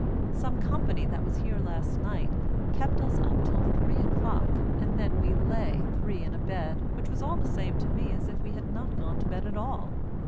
Some company that was here last night kept us up till three o'clock, and then we lay three in a bed, which was all the same to me as if we had not gone to bed at all.